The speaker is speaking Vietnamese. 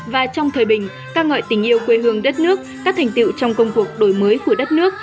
và trong thời bình ca ngợi tình yêu quê hương đất nước các thành tiệu trong công cuộc đổi mới của đất nước